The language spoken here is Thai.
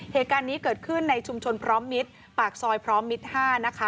เหตุการณ์นี้เกิดขึ้นในชุมชนพร้อมมิตรปากซอยพร้อมมิตร๕นะคะ